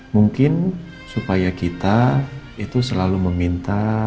mungkin supaya kita itu selalu meminta